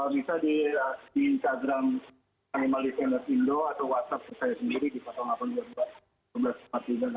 bisa di instagram animal defenders indo atau whatsapp saya sendiri di delapan ratus dua puluh dua seribu empat ratus empat puluh lima seribu enam ratus sembilan puluh